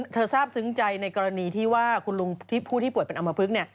ทราบซึ้งใจในกรณีที่ว่าคุณลุงที่ผู้ที่ป่วยเป็นอำมพลึก